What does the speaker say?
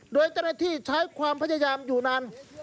โดยเจ้าหน้าที่ใช้ความพยายามอยู่นาน